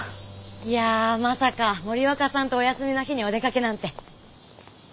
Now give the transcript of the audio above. いやまさか森若さんとお休みの日にお出かけなんて。